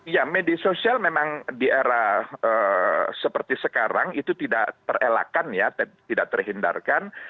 ya media sosial memang di era seperti sekarang itu tidak terelakkan ya tidak terhindarkan